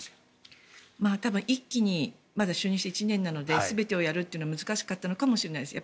まだ就任して１年なので一気に全てをやるというのは難しかったのかもしれないです。